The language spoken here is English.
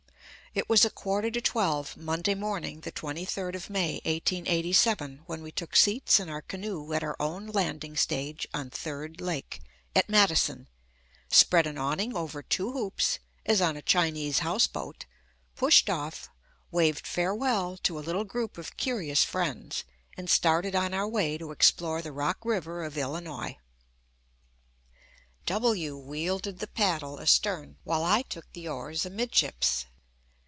It was a quarter to twelve, Monday morning, the 23d of May, 1887, when we took seats in our canoe at our own landing stage on Third Lake, at Madison, spread an awning over two hoops, as on a Chinese house boat, pushed off, waved farewell to a little group of curious friends, and started on our way to explore the Rock River of Illinois. W wielded the paddle astern, while I took the oars amidships.